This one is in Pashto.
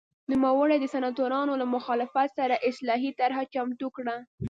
نوموړي د سناتورانو له مخالفت سره اصلاحي طرحه چمتو کړه